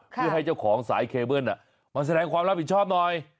เพื่อให้เจ้าของสายเคเบิ้ลมาแสดงความรับผิดชอบหน่อย